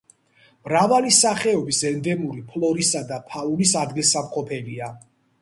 მრავალი სახეობის ენდემური ფლორისა და ფაუნის ადგილსამყოფელია.